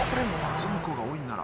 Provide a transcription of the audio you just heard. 人口が多いんなら。